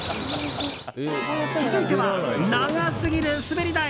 続いては、長すぎる滑り台。